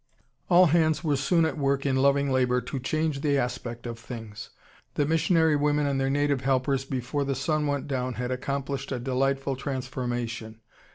All hands were soon at work in loving labor to change the aspect of things. The missionary women and their native helpers before the sun went down had accomplished a delightful transformation.